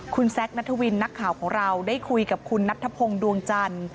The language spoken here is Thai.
คุณแซคนัทวินนักข่าวของเราได้คุยกับคุณนัทธพงศ์ดวงจันทร์